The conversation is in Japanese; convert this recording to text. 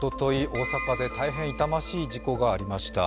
大阪で大変痛ましい事故がありました。